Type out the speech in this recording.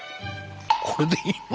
これでいいの？